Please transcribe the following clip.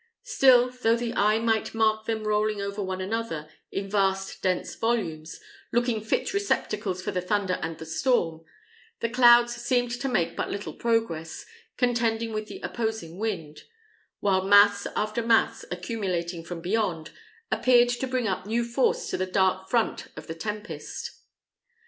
Still, though the eye might mark them rolling one over another, in vast, dense volumes, looking fit receptacles for the thunder and the storm, the clouds seemed to make but little progress, contending with the opposing wind; while mass after mass, accumulating from beyond, appeared to bring up new force to the dark front of the tempest.